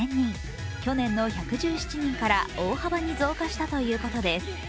去年の１１７人から大幅に増加したということです。